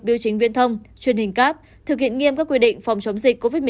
biểu chính viên thông truyền hình cáp thực hiện nghiêm các quy định phòng chống dịch covid một mươi chín